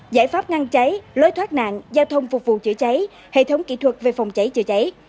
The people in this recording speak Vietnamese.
giải pháp ngăn cháy lối thoát nạn giao thông phục vụ chữa cháy hệ thống kỹ thuật về phòng cháy chữa cháy